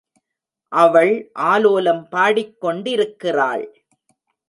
அவள் ஆலோலம் பாடிக் கொண்டிருக்கிறாள்.